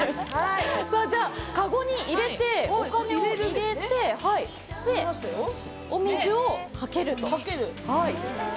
じゃあ、かごに入れてお金を入れてお水を掛ける。